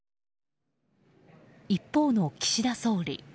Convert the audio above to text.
一方の岸田総理。